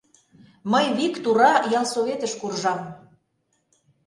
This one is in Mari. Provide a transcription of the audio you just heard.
Мый вик тура ялсоветыш куржам...